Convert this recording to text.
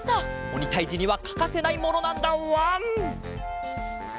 おにたいじにはかかせないものなんだわん！